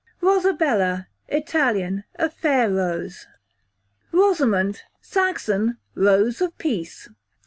Rosabella, Italian, a fair rose. Rosamond, Saxon, rose of peace.